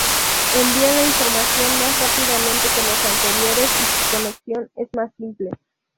Envían la información más rápidamente que los anteriores y su conexión es más simple.